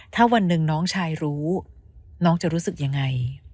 ถ้าวันหนึ่งน้องชายรู้น้องจะรู้สึกยังไง